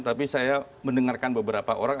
tapi saya mendengarkan beberapa orang